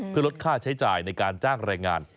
เพื่อลดค่าใช้จ่ายในการจ้างแรงงาน